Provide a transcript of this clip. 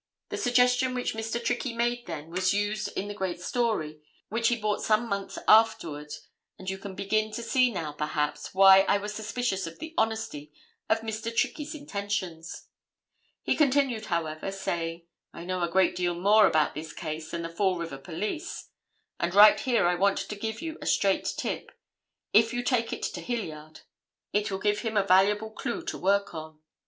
The suggestion which Mr. Trickey made then was used in the great story which he bought some months afterward, and you can begin to see now, perhaps, why I was suspicious of the honesty of Mr. Trickey's intentions. He continued, however, saying, 'I know a great deal more about this case than the Fall River police, and right here I want to give you a straight tip, and you take it to Hilliard. It will give him a valuable clue to work on.